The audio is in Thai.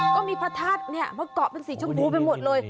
ก็มีพระธาตุเนี่ยมาเกาะเป็นสีชมพูไปหมดเลย